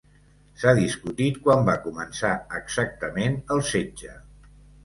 S'ha discutit quan va començar exactament el setge.